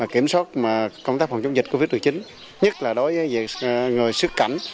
kiểm soát công tác phòng chống dịch covid một mươi chín nhất là đối với người sức cảnh